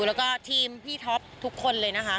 แล้วก็ทีมพี่ท็อปทุกคนเลยนะคะ